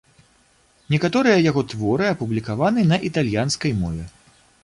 Некаторыя яго творы апублікаваны на італьянскай мове.